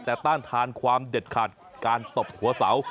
แต่ต้านทานความเด็ดขาดการตบหัวเสา